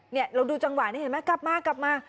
เราดูจังหวะนี้เห็นไหมกลับมากลับมา